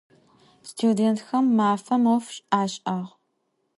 Studêntxem mafem 'of aş'ağ.